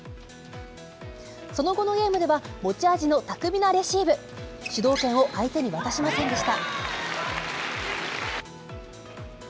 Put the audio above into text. その後のゲームでは、持ち味の巧みなレシーブ、主導権を相手に渡しませんでした。